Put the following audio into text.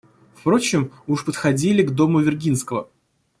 Впрочем, уж подходили к дому Виргинского.